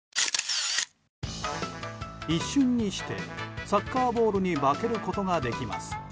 一瞬にして、サッカーボールに化けることができます。